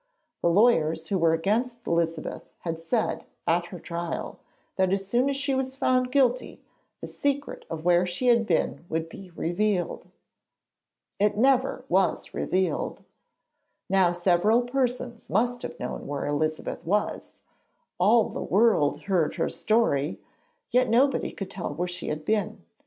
The lawyers who were against Elizabeth said, at her trial, that as soon as she was found guilty, the secret of where she had been would be revealed. It never was revealed. Now several persons must have known where Elizabeth was; all the world heard her story, yet nobody told where she had been.